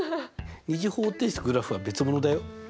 ２次方程式とグラフは別物だよ。